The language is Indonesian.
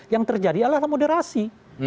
yang terjadi adalah moderasi